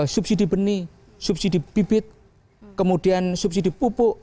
subsidi benih subsidi bibit kemudian subsidi pupuk